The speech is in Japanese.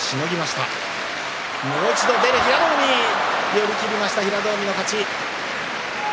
寄り切りました平戸海勝ち。